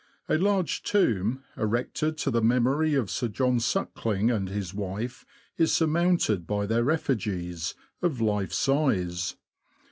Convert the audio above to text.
A large tomb, erected to the memory of Sir John Suckling and his wife, is surmounted by their effigies, of life size.